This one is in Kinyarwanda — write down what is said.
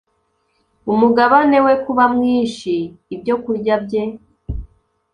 umugabane we kuba mwinshi ibyokurya bye